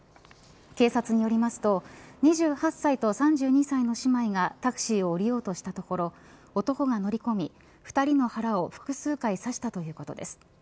警察によりますと２８歳と３２歳の姉妹がタクシーを降りようとしたところ男が乗り込み２人の腹を複数回刺したということです。